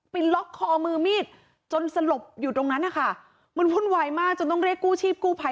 ล็อกคอมือมีดจนสลบอยู่ตรงนั้นนะคะมันวุ่นวายมากจนต้องเรียกกู้ชีพกู้ภัย